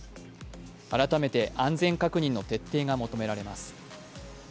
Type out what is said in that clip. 改めて安全確認の徹底が求められます。